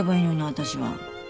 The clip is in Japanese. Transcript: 私は。